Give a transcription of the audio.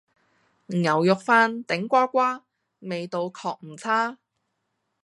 牛肉飯，頂呱呱，味道確唔差